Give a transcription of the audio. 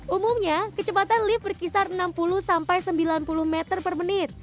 umumnya kecepatan lift berkisar enam puluh sampai sembilan puluh meter per menit